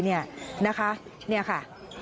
นี่ค่ะ